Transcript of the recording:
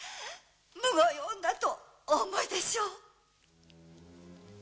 むごい女とお思いでしょう。